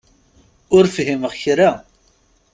Ur fhimeɣ kra.